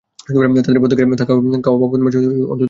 তাঁদের প্রত্যেকের থাকা-খাওয়া বাবদ মাসে অন্তত তিন হাজার টাকা খরচ হয়।